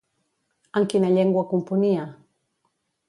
En quina llengua componia?